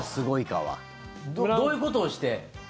どういうことをして。